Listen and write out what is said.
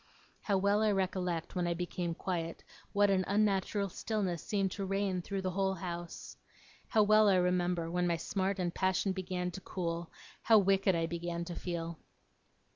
How well I recollect, when I became quiet, what an unnatural stillness seemed to reign through the whole house! How well I remember, when my smart and passion began to cool, how wicked I began to feel!